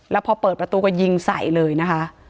แล้วพอเปิดประตูก็ยิงใส่เลยนะคะ